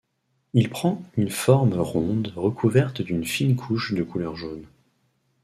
Il prend une forme ronde recouverte d'une fine couche de couleur jaune.